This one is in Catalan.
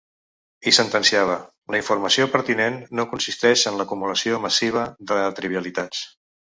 I sentenciava: «La informació pertinent no consisteix en l’acumulació massiva de trivialitats».